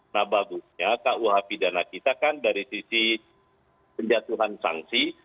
nah bagusnya kuh pidana kita kan dari sisi penjatuhan sanksi